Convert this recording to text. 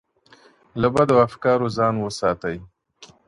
له بدو افکارو ځان وساتئ.